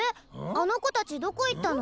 あの子たちどこ行ったの？